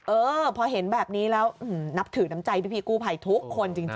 เออพอเห็นแบบนี้แล้วนับถือน้ำใจพี่กู้ภัยทุกคนจริง